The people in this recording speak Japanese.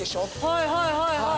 はいはいはいはい。